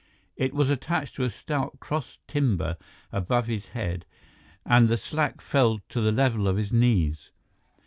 It was attached to a stout cross timber above his head and the slack fell to the level of his knees.